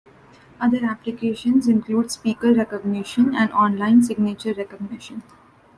Other applications include speaker recognition and online signature recognition.